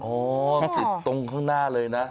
ติดตรงข้างหน้าเลยนะ